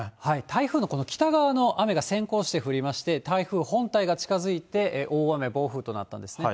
台風のこの北側の雨が先行して降りまして、台風本体が近づいて、大雨、暴風となったんですね。